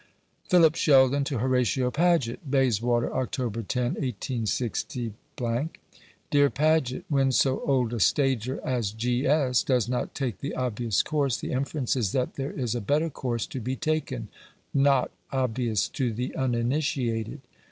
Philip Sheldon to Horatio Paget. Bayswater, Oct. 10, 186 . DEAR PAGET, When so old a stager as G. S. does not take the obvious course, the inference is that there is a better course to be taken not obvious to the uninitiated.